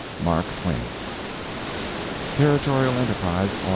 MARK TWAIN Territorial Enterprise, Aug.